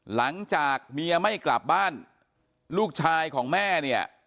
หลังจากเมียไม่กลับบ้านลูกชายของแม่เนี่ย